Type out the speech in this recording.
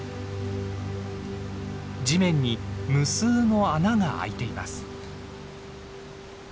地面に無数の穴があいています。